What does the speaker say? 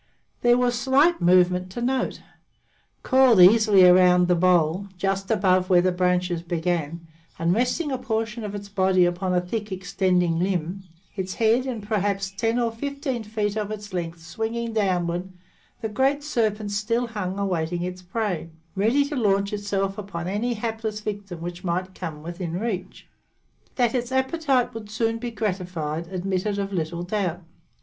There was slight movement to note. Coiled easily around the bole, just above where the branches began, and resting a portion of its body upon a thick, extending limb, its head and perhaps ten or fifteen feet of its length swinging downward, the great serpent still hung awaiting its prey, ready to launch itself upon any hapless victim which might come within its reach. That its appetite would soon be gratified admitted of little doubt.